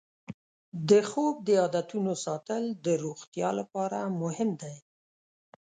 د خوب د عادتونو ساتل د روغتیا لپاره مهم دی.